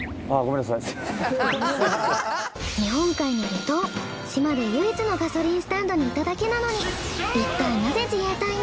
日本海の離島島で唯一のガソリンスタンドにいただけなのにいったいなぜ自衛隊に！？